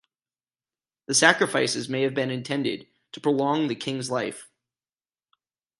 The sacrifices may have been intended to prolong the king's life.